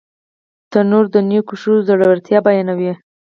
تنور د نیکو ښځو زړورتیا بیانوي